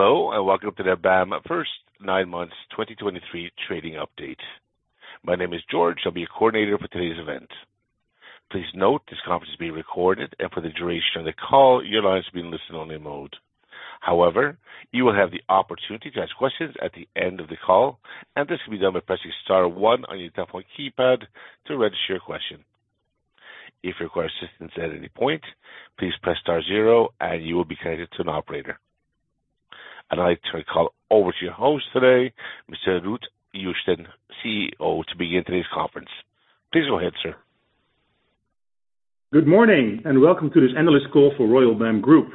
Hello, and welcome to the BAM first nine months 2023 trading update. My name is George. I'll be your coordinator for today's event. Please note, this conference is being recorded, and for the duration of the call, your line has been listen-only mode. However, you will have the opportunity to ask questions at the end of the call, and this can be done by pressing star one on your telephone keypad to register your question. If you require assistance at any point, please press star zero, and you will be connected to an operator. I'd like to call over to your host today, Mr. Ruud Joosten, CEO, to begin today's conference. Please go ahead, sir. Good morning, and welcome to this analyst call for Royal BAM Group.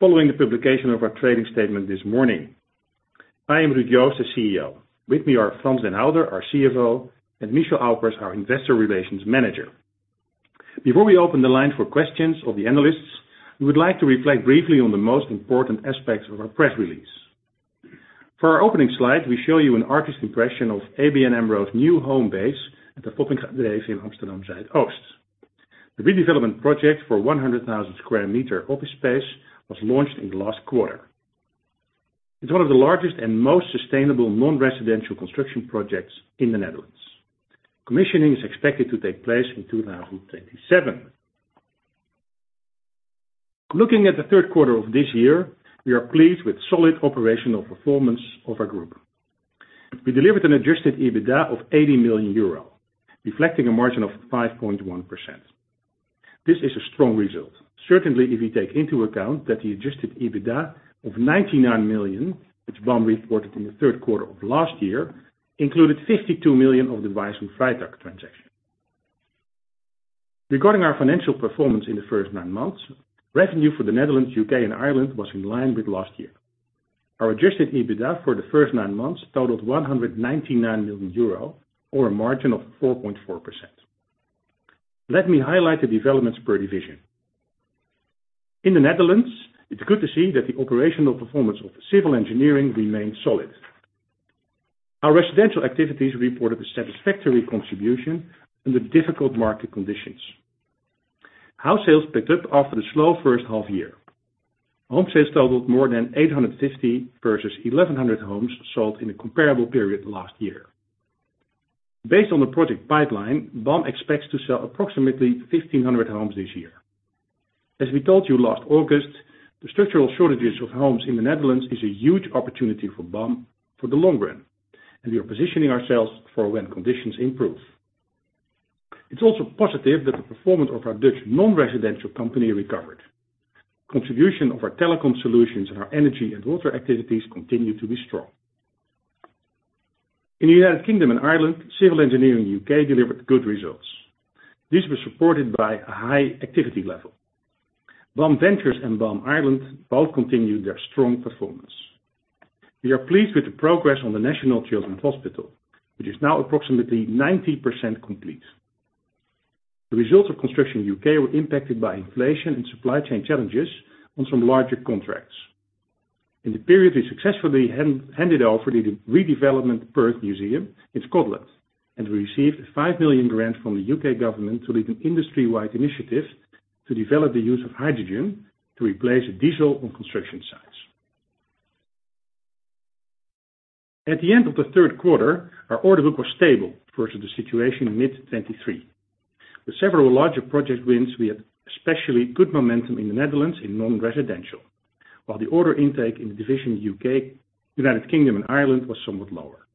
Following the publication of our trading statement this morning. I am Ruud Joosten, CEO. With me are Frans den Houter, our CFO, and Michel Aupers, our Investor Relations Manager. Before we open the line for questions of the analysts, we would like to reflect briefly on the most important aspects of our press release. For our opening slide, we show you an artist's impression of ABN AMRO's new home base at the Foppingadreef in Amsterdam-Zuidoost. The redevelopment project for 100,000 sq m office space was launched in the last quarter. It's one of the largest and most sustainable non-residential construction projects in the Netherlands. Commissioning is expected to take place in 2027. Looking at the third quarter of this year, we are pleased with solid operational performance of our group. We delivered an adjusted EBITDA of 80 million euro, reflecting a margin of 5.1%. This is a strong result, certainly if you take into account that the adjusted EBITDA of 99 million, which BAM reported in the third quarter of last year, included 52 million of the Wayss & Freytag transaction. Regarding our financial performance in the first nine months, revenue for the Netherlands, U.K., and Ireland was in line with last year. Our adjusted EBITDA for the first nine months totaled 199 million euro, or a margin of 4.4%. Let me highlight the developments per division. In the Netherlands, it's good to see that the operational performance of civil engineering remains solid. Our residential activities reported a satisfactory contribution under difficult market conditions. House sales picked up after the slow first half year. Home sales totaled more than 850 versus 1,100 homes sold in a comparable period last year. Based on the project pipeline, BAM expects to sell approximately 1,500 homes this year. As we told you last August, the structural shortages of homes in the Netherlands is a huge opportunity for BAM for the long run, and we are positioning ourselves for when conditions improve. It's also positive that the performance of our Dutch non-residential company recovered. Contribution of our telecom solutions and our energy and water activities continue to be strong. In the United Kingdom and Ireland, Civil Engineering U.K. delivered good results. This was supported by a high activity level. BAM Ventures and BAM Ireland both continued their strong performance. We are pleased with the progress on the National Children's Hospital, which is now approximately 90% complete. The results of construction in the U.K. were impacted by inflation and supply chain challenges on some larger contracts. In the period, we successfully handed over the redevelopment Perth Museum in Scotland, and we received a 5 million grant from the U.K. government to lead an industry-wide initiative to develop the use of hydrogen to replace diesel on construction sites. At the end of the third quarter, our order book was stable versus the situation in mid-2023. With several larger project wins, we had especially good momentum in the Netherlands in non-residential, while the order intake in the division U.K., United Kingdom and Ireland, was somewhat lower.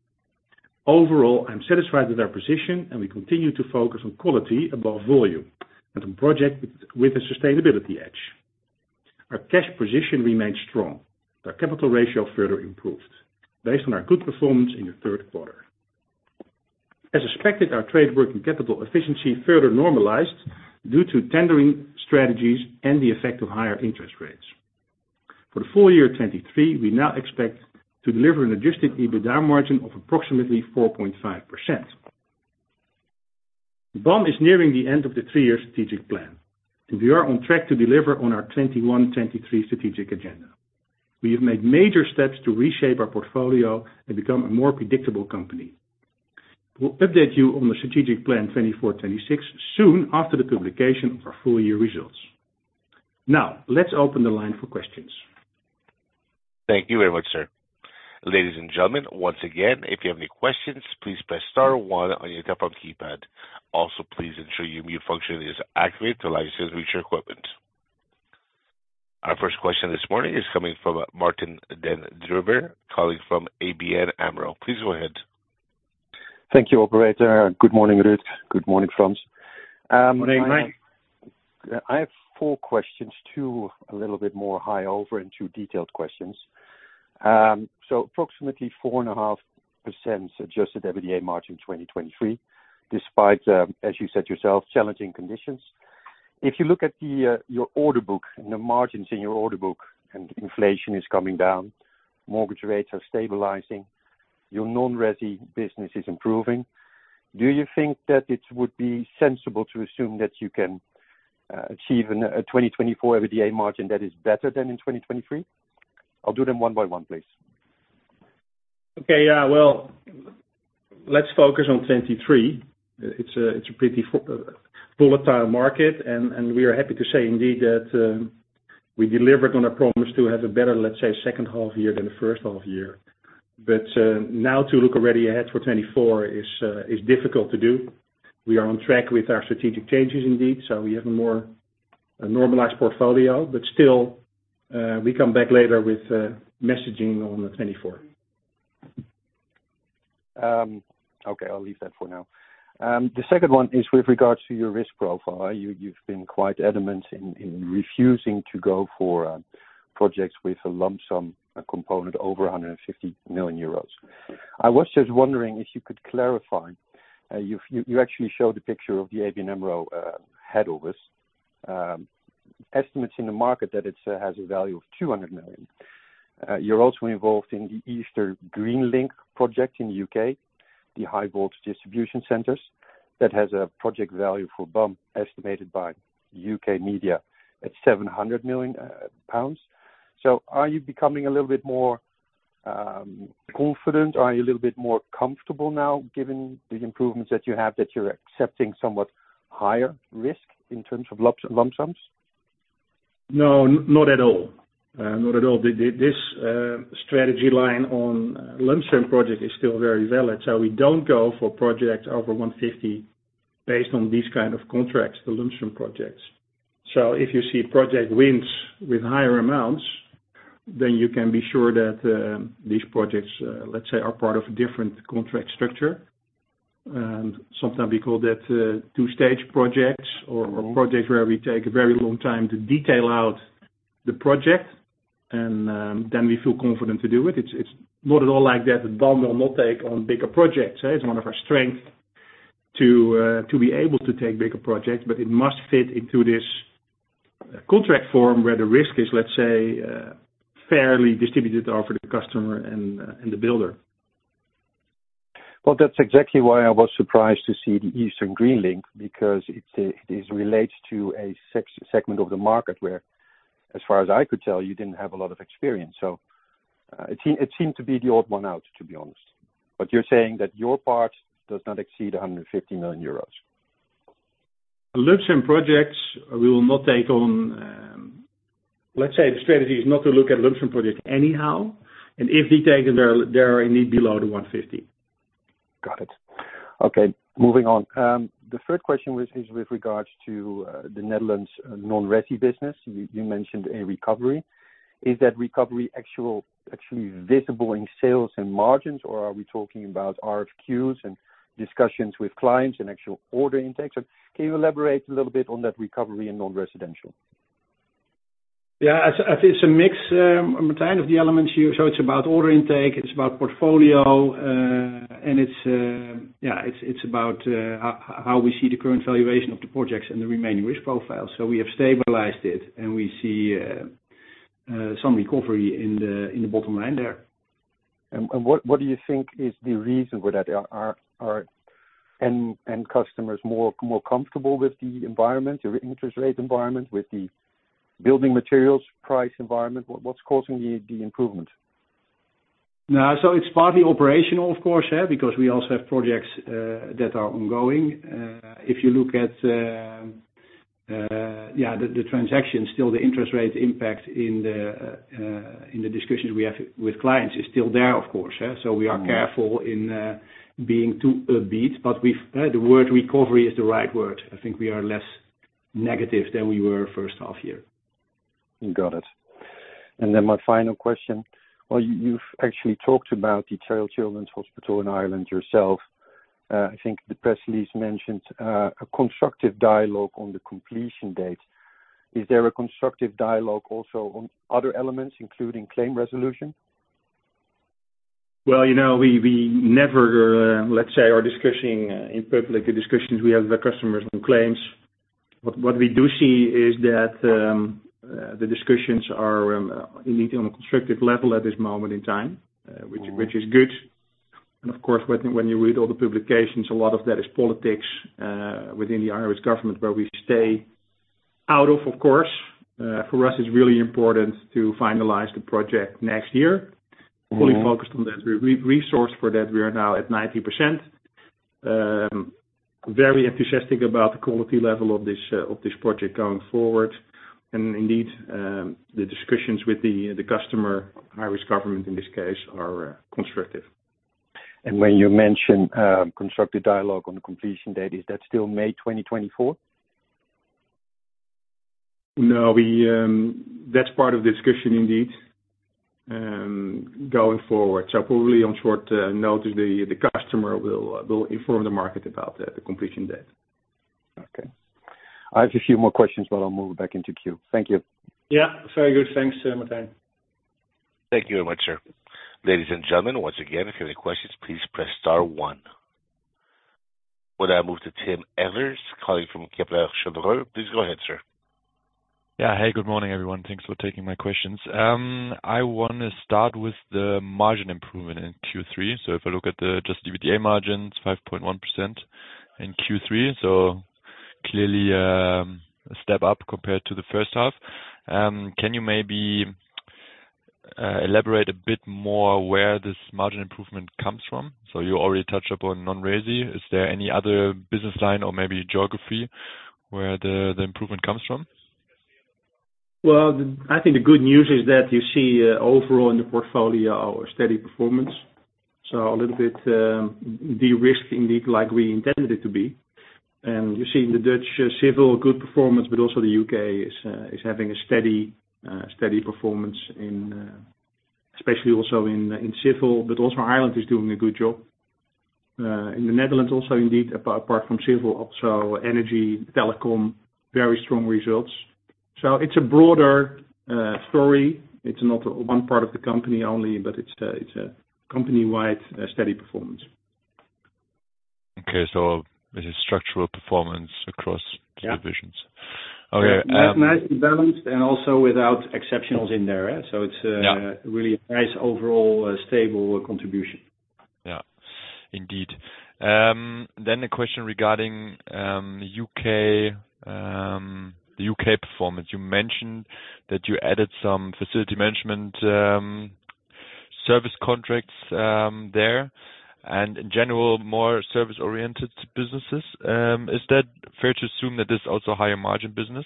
Overall, I'm satisfied with our position, and we continue to focus on quality above volume and on projects with a sustainability edge. Our cash position remains strong. Our capital ratio further improved based on our good performance in the third quarter. As expected, our trade working capital efficiency further normalized due to tendering strategies and the effect of higher interest rates. For the full year 2023, we now expect to deliver an adjusted EBITDA margin of approximately 4.5%. BAM is nearing the end of the three-year strategic plan, and we are on track to deliver on our 2021-2023 strategic agenda. We have made major steps to reshape our portfolio and become a more predictable company. We'll update you on the strategic plan 2024-2026 soon after the publication of our full year results. Now, let's open the line for questions. Thank you very much, sir. Ladies and gentlemen, once again, if you have any questions, please press star one on your telephone keypad. Also, please ensure your mute function is accurate to allow us to reach your equipment. Our first question this morning is coming from Martijn den Drijver, calling from ABN AMRO. Please go ahead. Thank you, operator. Good morning, Ruud. Good morning, Frans. Good morning, Martijn. I have four questions, two a little bit more high over and two detailed questions. So approximately 4.5% adjusted EBITDA margin 2023, despite, as you said yourself, challenging conditions. If you look at the, your order book, and the margins in your order book, and inflation is coming down, mortgage rates are stabilizing, your non-resi business is improving, do you think that it would be sensible to assume that you can achieve a 2024 EBITDA margin that is better than in 2023? I'll do them one by one, please.... Okay, yeah, well, let's focus on 2023. It's a pretty volatile market, and we are happy to say indeed that we delivered on our promise to have a better, let's say, second half year than the first half year. But now to look already ahead for 2024 is difficult to do. We are on track with our strategic changes indeed, so we have a more normalized portfolio, but still we come back later with messaging on the 2024. Okay, I'll leave that for now. The second one is with regards to your risk profile. You've been quite adamant in refusing to go for projects with a lump sum component over 150 million euros. I was just wondering if you could clarify. You actually showed a picture of the ABN AMRO head office. Estimates in the market that it has a value of 200 million. You're also involved in the Eastern Green Link project in the U.K., the high voltage distribution centers, that has a project value for BAM, estimated by U.K. media at 700 million pounds. So are you becoming a little bit more confident? Are you a little bit more comfortable now, given the improvements that you have, that you're accepting somewhat higher risk in terms of lumps, lump sums? No, not at all. Not at all. This strategy line on lump sum project is still very valid, so we don't go for projects over 150 million based on these kind of contracts, the lump sum projects. So if you see project wins with higher amounts, then you can be sure that these projects, let's say, are part of a different contract structure. Sometimes we call that two-stage projects or projects where we take a very long time to detail out the project, and then we feel confident to do it. It's not at all like that that BAM will not take on bigger projects. It's one of our strengths to be able to take bigger projects, but it must fit into this contract form, where the risk is, let's say, fairly distributed over the customer and the builder. Well, that's exactly why I was surprised to see the Eastern Green Link, because it relates to a segment of the market where, as far as I could tell, you didn't have a lot of experience, so it seemed to be the odd one out, to be honest. But you're saying that your part does not exceed 150 million euros? Lump sum projects, we will not take on. Let's say the strategy is not to look at lump sum projects anyhow, and if we take them, they're indeed below the 150 million. Got it. Okay, moving on. The third question was, is with regards to, the Netherlands, non-resi business. You, you mentioned a recovery. Is that recovery actual, actually visible in sales and margins, or are we talking about RFQs and discussions with clients and actual order intakes? So can you elaborate a little bit on that recovery in non-residential? Yeah, I think it's a mix of kind of the elements here. So it's about order intake, it's about portfolio, and it's about how we see the current valuation of the projects and the remaining risk profile. So we have stabilized it, and we see some recovery in the bottom line there. And what do you think is the reason for that? Are end customers more comfortable with the environment, your interest rate environment, with the building materials price environment? What's causing the improvement? Now, so it's partly operational, of course, yeah, because we also have projects that are ongoing. If you look at, yeah, the, the transaction, still the interest rate impact in the, in the discussions we have with clients is still there, of course, yeah. Mm-hmm. So we are careful in being too upbeat, but we've... The word recovery is the right word. I think we are less negative than we were first half year. Got it. And then my final question: Well, you've actually talked about the Children's Hospital in Ireland yourself. I think the press release mentioned a constructive dialogue on the completion date. Is there a constructive dialogue also on other elements, including claim resolution? Well, you know, we never, let's say, are discussing in public the discussions we have with customers on claims. But what we do see is that the discussions are indeed on a constructive level at this moment in time. Mm.... which is good. And of course, when you read all the publications, a lot of that is politics within the Irish government, where we stay out of, of course. For us, it's really important to finalize the project next year. Mm-hmm. Fully focused on that. Re-resourced for that, we are now at 90%. Very enthusiastic about the quality level of this project going forward. And indeed, the discussions with the customer, Irish government in this case, are constructive. When you mention constructive dialogue on the completion date, is that still May 2024? No. That's part of the discussion indeed, going forward. So probably on short notice, the customer will inform the market about the completion date. Okay. I have a few more questions, but I'll move back into queue. Thank you. Yeah, very good. Thanks, sir, Martijn. Thank you very much, sir. Ladies and gentlemen, once again, if you have any questions, please press star one. We'll now move to Tim Ehlers, calling from Kepler Cheuvreux. Please go ahead, sir. Yeah. Hey, good morning, everyone. Thanks for taking my questions. I wanna start with the margin improvement in Q3. So if I look at the just EBITDA margins, 5.1% in Q3, clearly a step up compared to the first half. Can you maybe elaborate a bit more where this margin improvement comes from? So you already touched upon non-resi. Is there any other business line or maybe geography where the, the improvement comes from? Well, I think the good news is that you see overall in the portfolio our steady performance. So a little bit de-risked, indeed, like we intended it to be. And you see in the Dutch civil good performance, but also the U.K. is having a steady steady performance in, especially also in civil, but also Ireland is doing a good job. In the Netherlands, also, indeed, apart from civil, also energy, telecom, very strong results. So it's a broader story. It's not one part of the company only, but it's a company-wide steady performance. Okay, so this is structural performance across- Yeah - divisions. Okay, Nice, nicely balanced, and also without exceptionals in there, eh? So it's, Yeah... really a nice overall, stable contribution. Yeah, indeed. Then the question regarding U.K., the U.K. performance. You mentioned that you added some facility management service contracts there, and in general, more service-oriented businesses. Is that fair to assume that this is also a higher margin business?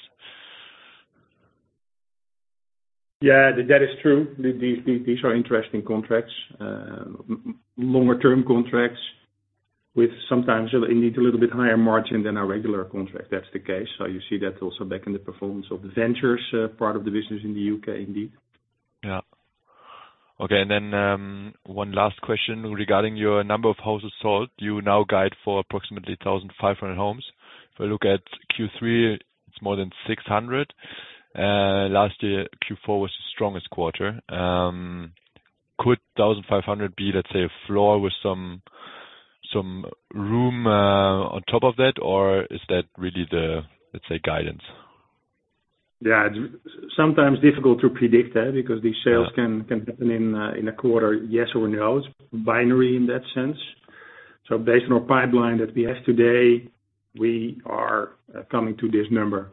Yeah, that is true. These are interesting contracts, longer term contracts, with sometimes, you'll need a little bit higher margin than a regular contract. That's the case. So you see that also back in the performance of the ventures, part of the business in the U.K., indeed. Yeah. Okay, and then one last question regarding your number of houses sold. You now guide for approximately 1,500 homes. If I look at Q3, it's more than 600, and last year, Q4 was the strongest quarter. Could 1,500 be, let's say, a floor with some room on top of that? Or is that really the, let's say, guidance? Yeah, sometimes difficult to predict, eh, because these sales- Yeah... can happen in a quarter, yes or no. It's binary in that sense. So based on our pipeline that we have today, we are coming to this number.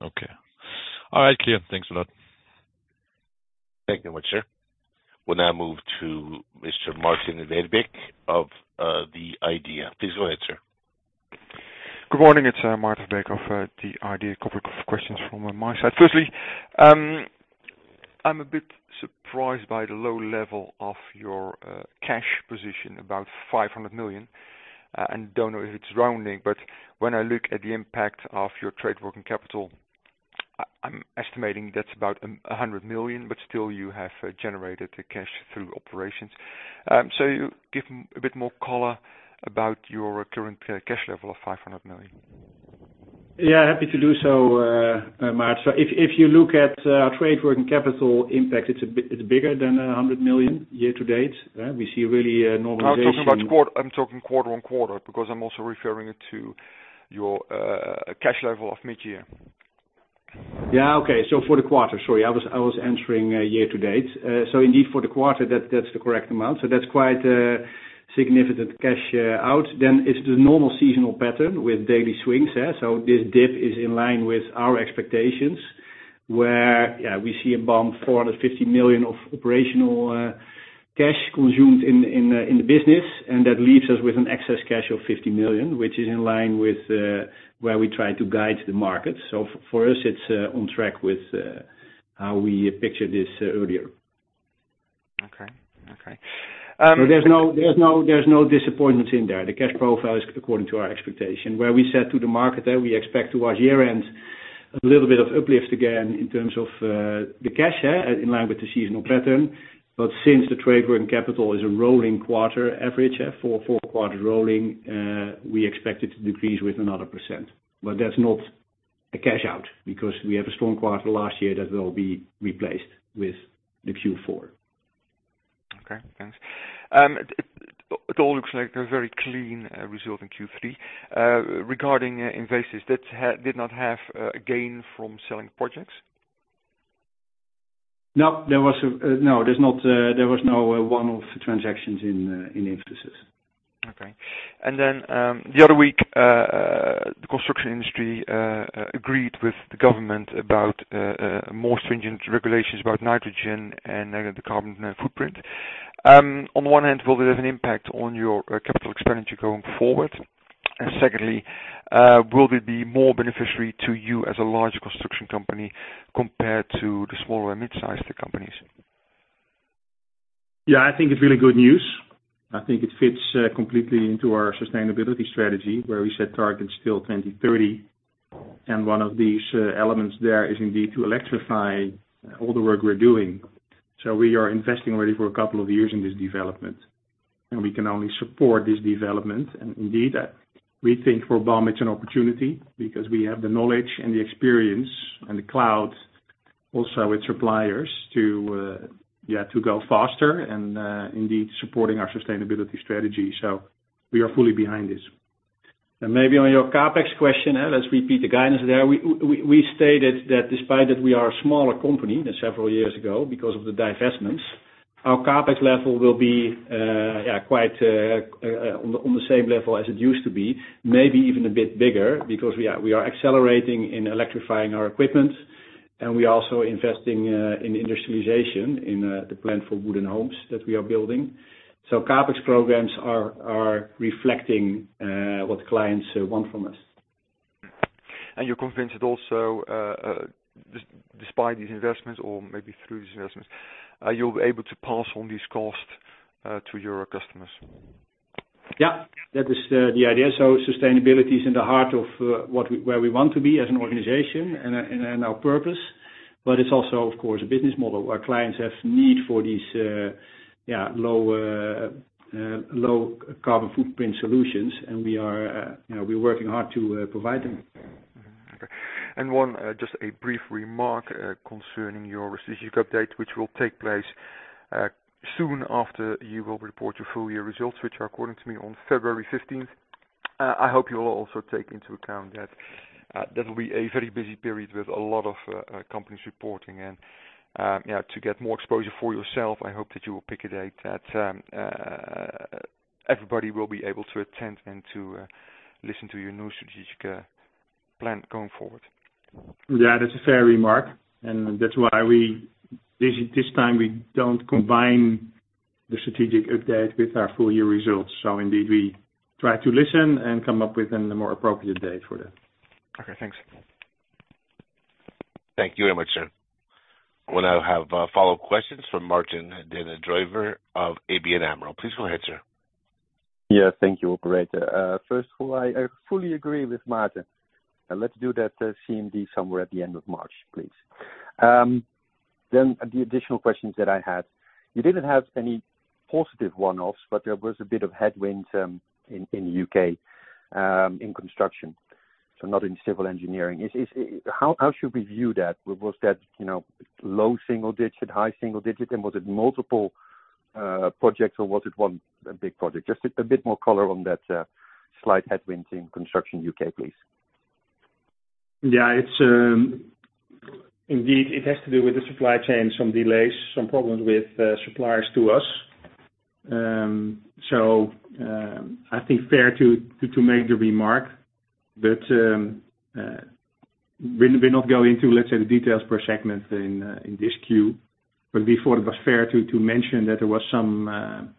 Okay. All right, clear. Thanks a lot. Thank you very much, sir. We'll now move to Mr. Maarten Verbeek of The IDEA! Please go ahead, sir. Good morning, it's Maarten Verbeek of The IDEA! A couple of questions from my side. Firstly, I'm a bit surprised by the low level of your cash position, about 500 million, and don't know if it's rounding, but when I look at the impact of your trade working capital, I'm estimating that's about 100 million, but still you have generated the cash through operations. So give me a bit more color about your current cash level of 500 million. Yeah, happy to do so, Maarten. So if you look at trade working capital impact, it's a bit—it's bigger than 100 million year to date, right? We see really a normalization- I'm talking quarter on quarter, because I'm also referring it to your cash level of mid-year. Yeah, okay. So for the quarter, sorry, I was answering year to date. So indeed, for the quarter, that's the correct amount. So that's quite a significant cash out. Then it's the normal seasonal pattern with daily swings, eh? So this dip is in line with our expectations, where, yeah, we see about 450 million of operational cash consumed in the business, and that leaves us with an excess cash of 50 million, which is in line with where we try to guide the market. So for us, it's on track with how we pictured this earlier. Okay. Okay, So there's no, there's no, there's no disappointment in there. The cash profile is according to our expectation. Where we said to the market that we expect towards year end, a little bit of uplift again, in terms of, the cash, in line with the seasonal pattern. But since the trade working capital is a rolling quarter average, for four quarters rolling, we expect it to decrease with another percent. But that's not a cash out, because we have a strong quarter last year that will be replaced with the Q4. Okay, thanks. It all looks like a very clean result in Q3. Regarding Invesis, that did not have a gain from selling projects? No, there was no one-off transactions in Invesis. Okay. Then, the other week, the construction industry agreed with the government about more stringent regulations about nitrogen and the carbon footprint. On one hand, will it have an impact on your capital expenditure going forward? And secondly, will it be more beneficiary to you as a larger construction company compared to the smaller and mid-sized companies? Yeah, I think it's really good news. I think it fits completely into our sustainability strategy, where we set targets till 2030. And one of these elements there is indeed to electrify all the work we're doing. So we are investing already for a couple of years in this development, and we can only support this development. And indeed, we think for BAM, it's an opportunity because we have the knowledge and the experience and the cloud, also with suppliers, to yeah, to go faster and indeed supporting our sustainability strategy. So we are fully behind this. And maybe on your CapEx question, let's repeat the guidance there. We stated that despite that we are a smaller company than several years ago because of the divestments-... Our CapEx level will be, yeah, quite, on the, on the same level as it used to be, maybe even a bit bigger, because we are, we are accelerating in electrifying our equipment, and we are also investing, in industrialization in, the plan for wooden homes that we are building. So CapEx programs are, are reflecting, what clients, want from us. You're convinced that also, despite these investments or maybe through these investments, you'll be able to pass on these costs to your customers? Yeah, that is the idea. So sustainability is in the heart of where we want to be as an organization and our purpose. But it's also, of course, a business model. Our clients have need for these low carbon footprint solutions, and we are, you know, we're working hard to provide them. Mm-hmm. Okay. And one just a brief remark concerning your strategic update, which will take place soon after you will report your full year results, which are, according to me, on February fifteenth. I hope you will also take into account that that will be a very busy period with a lot of companies reporting and, yeah, to get more exposure for yourself, I hope that you will pick a date that everybody will be able to attend and to listen to your new strategic plan going forward. Yeah, that's a fair remark, and that's why we, this time, we don't combine the strategic update with our full year results. So indeed, we try to listen and come up with the more appropriate date for that. Okay, thanks. Thank you very much, sir. We'll now have follow-up questions from Martijn den Drijver of ABN AMRO. Please go ahead, sir. Yeah, thank you, operator. First of all, I fully agree with Maarten. Let's do that, CMD somewhere at the end of March, please. Then the additional questions that I had: You didn't have any positive one-offs, but there was a bit of headwind in U.K., in construction, so not in civil engineering. How should we view that? Was that, you know, low single digit, high single digit, and was it multiple projects, or was it one big project? Just a bit more color on that slight headwind in construction U.K., please. Yeah, it's indeed, it has to do with the supply chain, some delays, some problems with suppliers to us. I think fair to make the remark, but we're not going into, let's say, the details per segment in this queue. Before, it was fair to mention that there was some...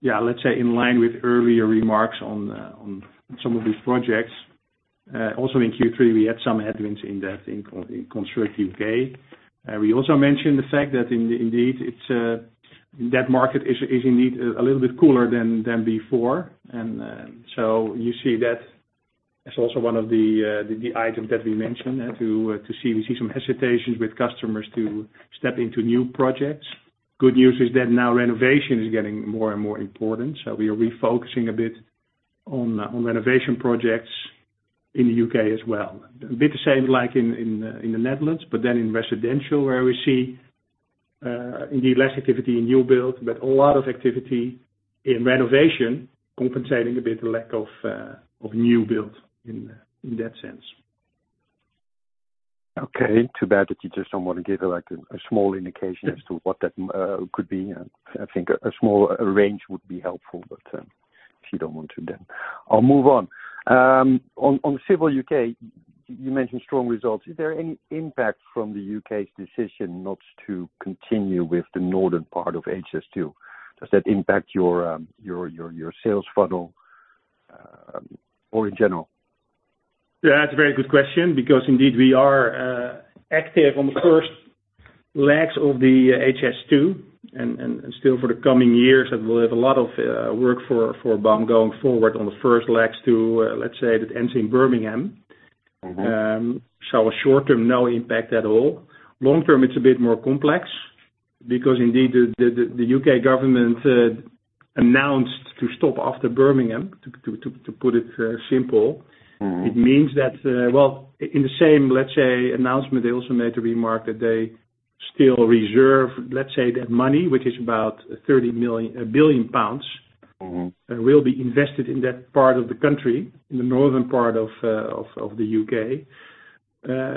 Yeah, let's say in line with earlier remarks on some of these projects, also in Q3, we had some headwinds in that, in Construct U.K. We also mentioned the fact that indeed, that market is indeed a little bit cooler than before. You see that as also one of the items that we mentioned to see. We see some hesitations with customers to step into new projects. Good news is that now renovation is getting more and more important, so we are refocusing a bit on renovation projects in the U.K. as well. A bit the same like in the Netherlands, but then in residential, where we see indeed less activity in new build, but a lot of activity in renovation, compensating a bit the lack of new build in that sense. Okay, too bad that you just don't want to give, like, a small indication as to what that could be. I think a small range would be helpful, but if you don't want to, then I'll move on. On civil U.K., you mentioned strong results. Is there any impact from the U.K.'s decision not to continue with the northern part of HS2? Does that impact your sales funnel, or in general? Yeah, that's a very good question, because indeed we are active on the first legs of the HS2, and still for the coming years, and we'll have a lot of work for BAM going forward on the first legs to, let's say, that ends in Birmingham. Mm-hmm. So, short term, no impact at all. Long term, it's a bit more complex because indeed, the U.K. government announced to stop after Birmingham, to put it simple. Mm-hmm. It means that, well, in the same, let's say, announcement, they also made a remark that they still reserve, let's say, that money, which is about 30 billion pounds- Mm-hmm... Will be invested in that part of the country, in the northern part of the U.K.,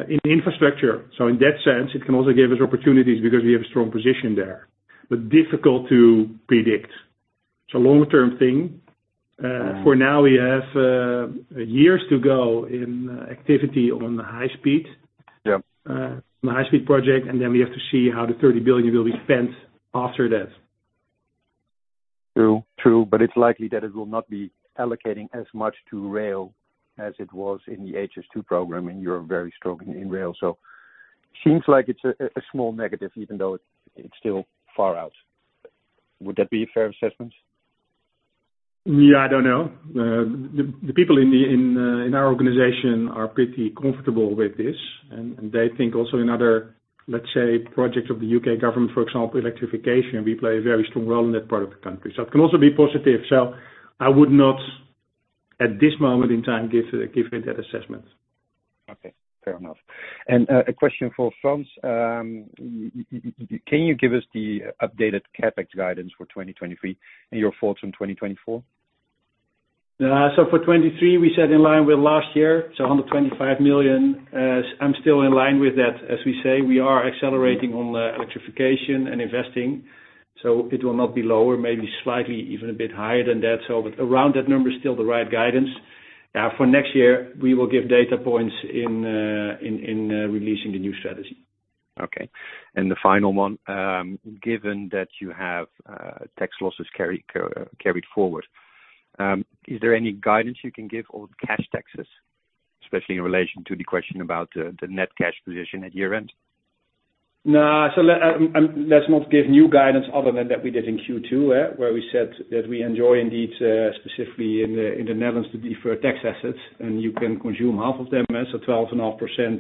in infrastructure. So in that sense, it can also give us opportunities because we have a strong position there, but difficult to predict. It's a long-term thing. Mm. For now, we have years to go in activity on high speed. Yeah. On the high-speed project, and then we have to see how the 30 billion will be spent after that. True. True, but it's likely that it will not be allocating as much to rail as it was in the HS2 program, and you're very strong in rail, so seems like it's a small negative, even though it's still far out. Would that be a fair assessment? Yeah, I don't know. The people in our organization are pretty comfortable with this, and they think also in other, let's say, projects of the U.K. government, for example, electrification, we play a very strong role in that part of the country. So it can also be positive. So I would not, at this moment in time, give it that assessment. Okay, fair enough. A question for Frans. Can you give us the updated CapEx guidance for 2023 and your thoughts on 2024? ... So for 2023, we said in line with last year, so 125 million. As I'm still in line with that, as we say, we are accelerating on the electrification and investing, so it will not be lower, maybe slightly, even a bit higher than that. So but around that number is still the right guidance. For next year, we will give data points in releasing the new strategy. Okay, and the final one, given that you have tax losses carried forward, is there any guidance you can give on cash taxes, especially in relation to the question about the net cash position at year-end? No. So let's not give new guidance other than that we did in Q2, where we said that we enjoy indeed, specifically in the Netherlands, the deferred tax assets, and you can consume half of them, so 12.5%,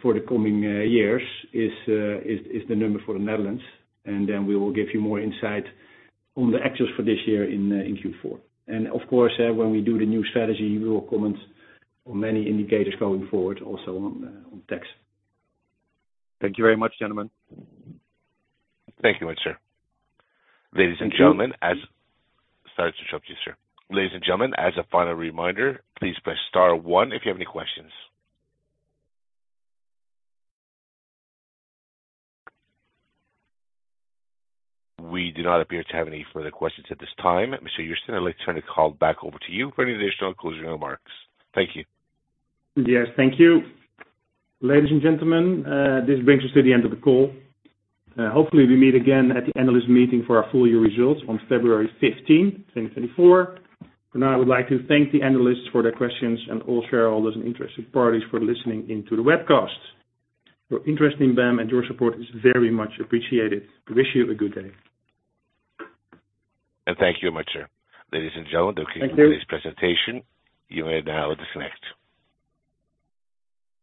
for the coming years, is the number for the Netherlands. And then we will give you more insight on the actuals for this year in Q4. And of course, when we do the new strategy, we will comment on many indicators going forward, also on tax. Thank you very much, gentlemen. Thank you much, sir. Ladies and gentlemen, sorry to interrupt you, sir. Ladies and gentlemen, as a final reminder, please press star one if you have any questions. We do not appear to have any further questions at this time. Mr. Joosten, I'd like to turn the call back over to you for any additional closing remarks. Thank you. Yes, thank you. Ladies and gentlemen, this brings us to the end of the call. Hopefully we meet again at the analyst meeting for our full year results on February 15, 2024. For now, I would like to thank the analysts for their questions and all shareholders and interested parties for listening in to the webcast. Your interest in BAM and your support is very much appreciated. We wish you a good day. Thank you very much, sir. Ladies and gentlemen. Thank you. That's the end of today's presentation. You may now disconnect.